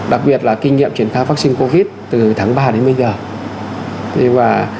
đặc biệt là kinh nghiệm triển khai vaccine covid từ tháng ba đến bây giờ